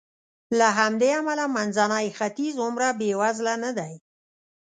له همدې امله منځنی ختیځ هومره بېوزله نه دی.